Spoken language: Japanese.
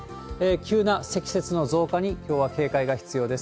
急な積雪の増加にきょうは警戒が必要です。